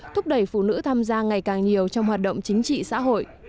thúc đẩy phụ nữ tham gia ngày càng nhiều trong hoạt động chính trị xã hội